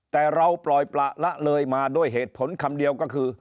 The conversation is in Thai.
แต่เราปล่อยประละเลยมาด้วยเหตุผลคำเดียวก็คือ